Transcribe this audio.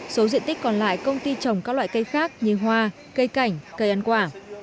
số diện tích còn lại công ty trồng các loại cây khác như hoa cây cảnh cây ăn quả